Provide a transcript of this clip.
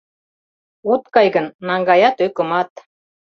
От кай гын, наҥгаят ӧкымат».